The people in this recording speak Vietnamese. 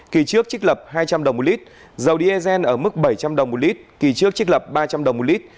kỳ trước trích lập hai trăm linh đồng một lít dầu diesel ở mức bảy trăm linh đồng một lít kỳ trước trích lập ba trăm linh đồng một lít